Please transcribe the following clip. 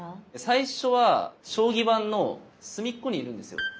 最初は将棋盤の隅っこにいるんですよ。